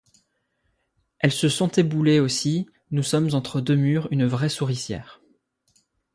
Elles se sont éboulées aussi, nous sommes entre deux murs, une vraie souricière.